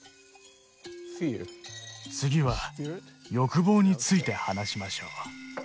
次は欲望について話しましょう。